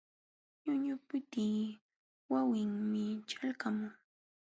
Ñuñupitiy wawinmi ćhalqamun.